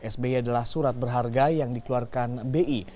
sbi adalah surat berharga yang dikeluarkan bi